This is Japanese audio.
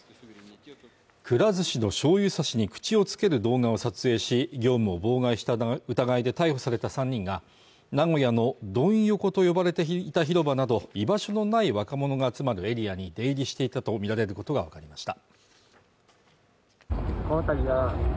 くら寿司の醤油差しに口をつける動画を撮影し業務を妨害した疑いで逮捕された３人が、名古屋のドン横と呼ばれていた広場など、居場所のない若者が集まるエリアに出入りしていたとみられることがわかりました。